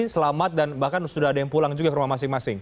selamat dan bahkan sudah ada yang pulang juga ke rumah masing masing